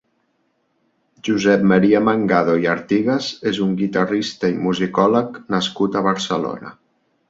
Josep Maria Mangado i Artigas és un guitarrista i musicòleg nascut a Barcelona.